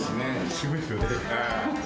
すごいですよね。